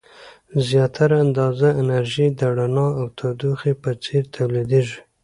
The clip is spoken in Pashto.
زیاتره اندازه انرژي د رڼا او تودوخې په څیر تولیدیږي.